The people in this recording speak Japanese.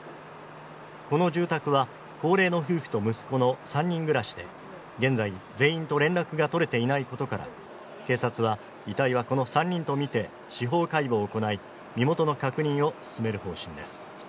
この住宅は高齢の夫婦と息子の３人暮らしで現在全員と連絡が取れていないことから警察は遺体はこの３人と見て司法解剖を行い身元の確認を進める方針です